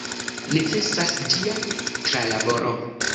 Necesas ĝia tralaboro.